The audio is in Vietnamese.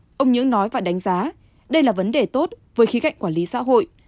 đó ông nhưỡng nói và đánh giá đây là vấn đề tốt với khí cạnh quản lý xã hội